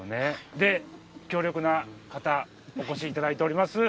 で強力な方お越しいただいております。